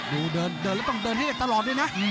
ดูเดินแล้วต้องเดินให้ตลอดดินะ